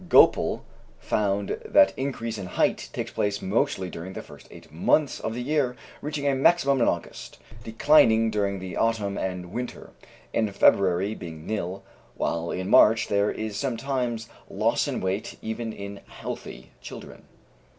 Goepel found that increase in height takes place mostly during the first eight months of the year, reaching a maximum in August, declining during the autumn and winter, in February being nil, while in March there is sometimes loss in weight even in healthy children.